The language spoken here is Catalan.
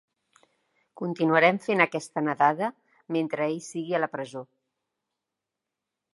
Continuarem fent aquesta nedada mentre ell sigui a la presó.